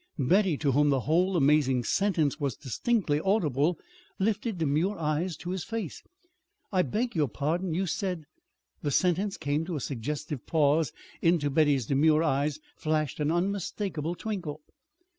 Betty, to whom the whole amazing sentence was distinctly audible, lifted demure eyes to his face. "I beg your pardon, you said " The sentence came to a suggestive pause. Into Betty's demure eyes flashed an unmistakable twinkle.